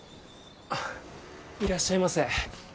いらっしゃいませ。